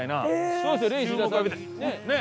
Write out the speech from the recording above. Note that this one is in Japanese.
そうですね。